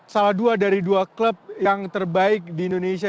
salah dua dari dua klub yang terbaik di indonesia